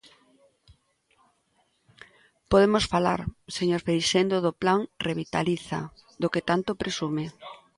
Podemos falar, señor Freixendo do Plan Revitaliza, do que tanto presume.